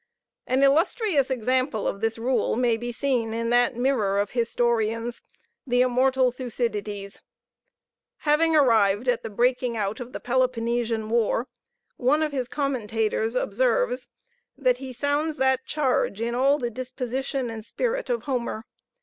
An illustrious example of this rule may be seen in that mirror of historians, the immortal Thucydides. Having arrived at the breaking out of the Peloponnesian War, one of his commentators observes that "he sounds that charge in all the disposition and spirit of Homer.